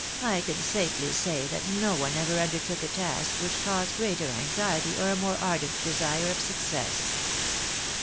" I can safely say that no one ever undertook a task which caused greater anxiety, or a more ardent desire of success."